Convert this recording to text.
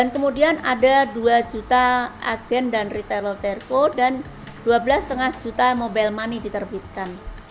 kemudian ada dua juta agen dan retail terco dan dua belas lima juta mobile money diterbitkan